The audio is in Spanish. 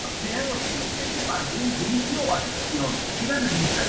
Mayfield Group proveyó la financiación inicial de la empresa.